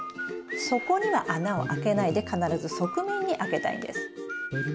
底には穴を開けないで必ず側面に開けたいんです。